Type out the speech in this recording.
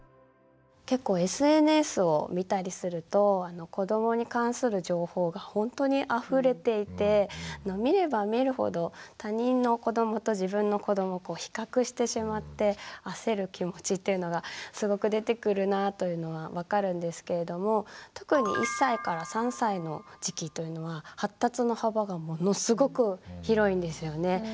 結構ＳＮＳを見たりすると子どもに関する情報がほんとにあふれていて見れば見るほど他人の子どもと自分の子どもを比較してしまって焦る気持ちというのがすごく出てくるなというのは分かるんですけれども特に１歳から３歳の時期というのは発達の幅がものすごく広いんですよね。